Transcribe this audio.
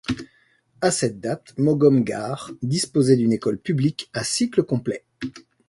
À cette date, Mogom Garre disposait d'une école publique à cycle complet.